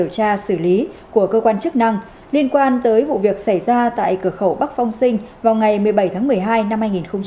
cơ quan tới vụ việc xảy ra tại cửa khẩu bắc phong sinh vào ngày một mươi bảy tháng một mươi hai năm hai nghìn hai mươi